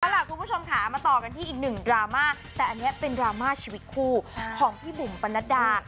เอาล่ะคุณผู้ชมค่ะมาต่อกันที่อีกหนึ่งดราม่าแต่อันนี้เป็นดราม่าชีวิตคู่ของพี่บุ๋มปนัดดา